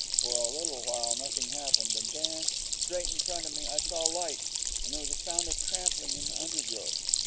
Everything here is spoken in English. For a little while nothing happened, and then, straight in front of me, I saw lights. And there was a sound of trampling in the undergrowth.